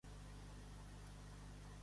No papar-ne ni una.